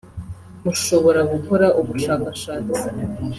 ’’ Mushobora gukora ubushakashatsi